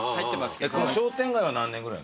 商店街は何年ぐらい。